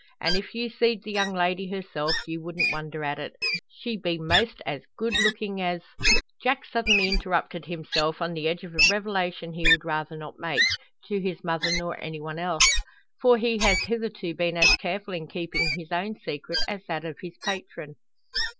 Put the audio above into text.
An' if you seed the young lady herself, ye wouldn't wonder at it. She be most as good looking as " Jack suddenly interrupted himself on the edge of a revelation he would rather not make, to his mother nor any one else. For he has hitherto been as careful in keeping his own secret as that of his patron.